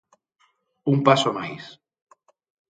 Un paso máis.